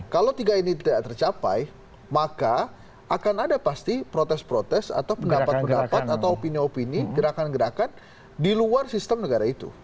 kalau tiga ini tidak tercapai maka akan ada pasti protes protes atau pendapat pendapat atau opini opini gerakan gerakan di luar sistem negara itu